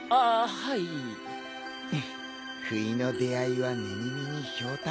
ふいの出会いは寝耳にひょうたん。